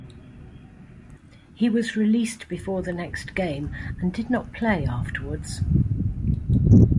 He was released before the next game and did not play afterwards.